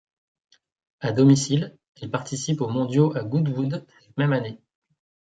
À domicile, elle participe aux mondiaux à Goodwood, cette même année.